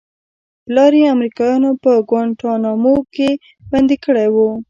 پلار يې امريکايانو په گوانټانامو کښې بندي کړى و.